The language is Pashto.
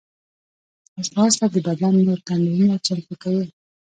ځغاسته د بدن نور تمرینونه چمتو کوي